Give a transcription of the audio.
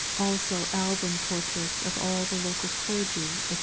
Also, Album Portraits of all the Local Clergy, &c.